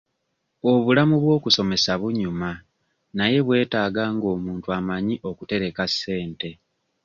Obulamu bw'okusomesa bunyuma naye bwetaaga nga omuntu amanyi okutereka ssente.